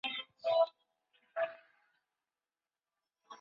卒于咸丰五年。